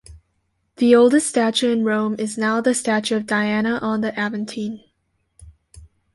The oldest statue in Rome is now the statue of Diana on the Aventine.